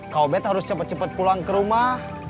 kau ben harus cepat cepat pulang ke rumah